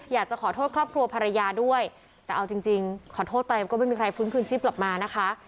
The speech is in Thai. อยากจะขอโทษครอบครัวภรรยาด้วยแต่เอาจริงขอโทษไปมันก็ไม่มีใครฟื้นคืนชีพกลับมานะคะ